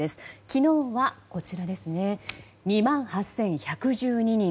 昨日は２万８１１２人。